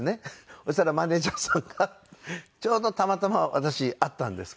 そしたらマネジャーさんがちょうどたまたま私会ったんですけども。